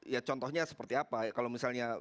ya contohnya seperti apa kalau misalnya